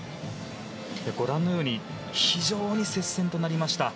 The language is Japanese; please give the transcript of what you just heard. ご覧のように非常に接戦となりました。